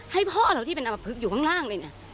ให้พ่อเราที่เป็นอำมะพึกอยู่ข้างเลยนี่